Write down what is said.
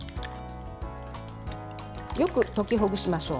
よく溶きほぐしましょう。